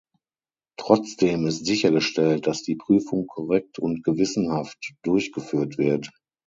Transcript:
Trotzdem ist sichergestellt, dass die Prüfung korrekt und gewissenhaft durchgeführt wird.